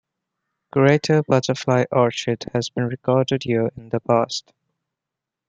Greater Butterfly Orchid has been recorded here in the past.